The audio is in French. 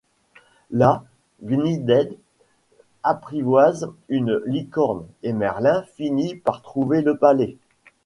Là, Gwyned apprivoise une licorne et Merlin fini par trouver le palais.